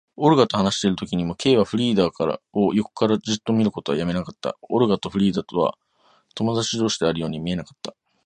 オルガと話しているときにも、Ｋ はフリーダを横からじっと見ることをやめなかった。オルガとフリーダとは友だち同士であるようには見えなかった。